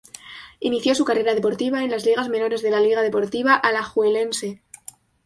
Inició su carrera deportiva en las ligas menores de la Liga Deportiva Alajuelense.